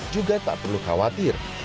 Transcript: juga tak perlu khawatir